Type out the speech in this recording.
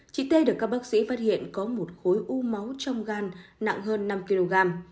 chị tê được các bác sĩ phát hiện có một khối u máu trong gan nặng hơn năm kg